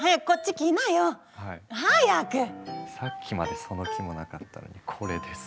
さっきまでその気もなかったのにこれですよ。